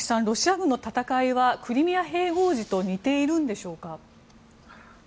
ロシア軍の戦いはクリミア併合時と似ているんでしょうか？